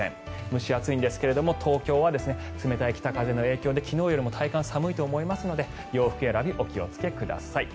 蒸し暑いんですが東京は冷たい北風の影響で昨日よりも体感が寒いと思いますので洋服選び、お気をつけください。